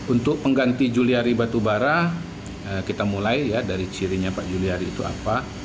untuk pengganti juliari batubara kita mulai ya dari cirinya pak juliari itu apa